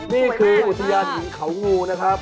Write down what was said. นี่คืออุทยานหินเขางูนะครับ